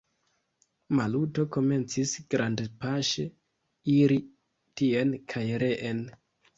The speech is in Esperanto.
Maluto komencis grandpaŝe iri tien kaj reen.